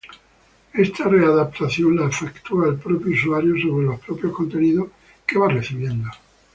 Esta readaptación la efectúa el propio usuario sobre los propios contenidos que va recibiendo.